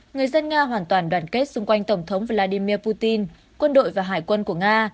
người dân nga hoàn toàn đoàn kết xung quanh tổng thống vladimir putin quân đội và hải quân của nga